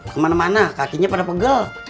kemana mana kakinya pada pegel